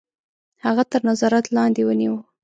هغه تر نظارت لاندي ونیوی.